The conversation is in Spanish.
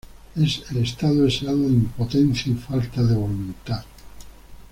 Es el estado deseado de impotencia y falta de voluntad.